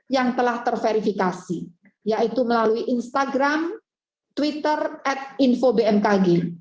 yang telah terverifikasi yaitu melalui instagram twitter at info bmkg